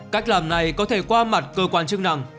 cách làm này có thể qua mặt cơ quan chức năng